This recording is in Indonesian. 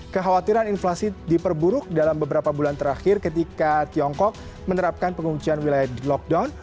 kekhawatiran inflasi diperburuk dalam beberapa bulan terakhir ketika tiongkok menerapkan penguncian wilayah lockdown